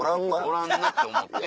おらんなって思って。